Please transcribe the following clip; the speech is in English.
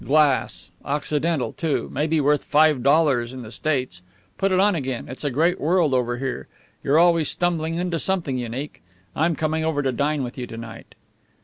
Glass; Occidental, too; maybe worth five dollars in the States. Put it on again. It's a great world over here. You're always stumbling into something unique. I'm coming over to dine with you to night."